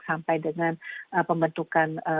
sampai dengan pembentukan